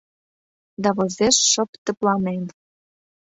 Да возеш шып тыпланен.